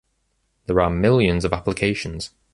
There are millions of applications.